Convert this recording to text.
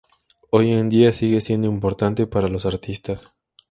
Hoy en día, sigue siendo importante para los artistas.